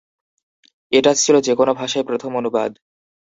এটা ছিল যেকোনো ভাষায় প্রথম অনুবাদ।